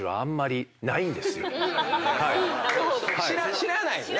知らないねんな。